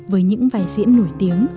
với những vai diễn nổi tiếng